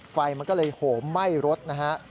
ไฟมันก็เลยโหมไหม้รถนะฮะ